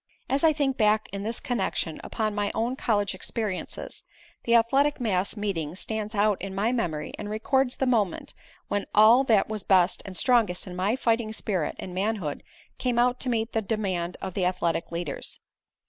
As I think back in this connection upon my own college experiences, the athletic mass meeting stands out in my memory and records the moment when all that was best and strongest in my fighting spirit and manhood came out to meet the demand of the athletic leaders.